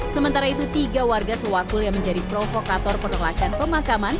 sementara itu tiga warga sewakul yang menjadi provokator penolakan pemakaman